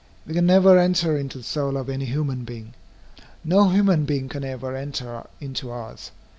We can never enter into the soul of any human being. No human being can ever enter into ours.